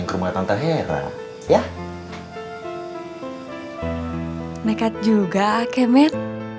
nekat juga kemet